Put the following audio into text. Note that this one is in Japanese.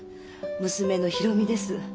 娘の博美です。